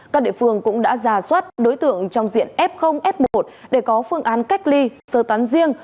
các địa phương cũng đã giả soát đối tượng trong diện f f một để có phương án cách ly sơ tán riêng